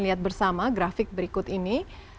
lihat bersama grafik berikut ini